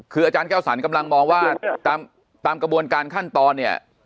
คืออาจารย์แก้วสรรกำลังมองว่าตามกระบวนการขั้นตอนเนี่ย